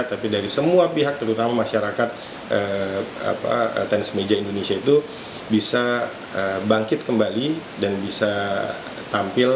tapi dari semua pihak terutama masyarakat tenis meja indonesia itu bisa bangkit kembali dan bisa tampil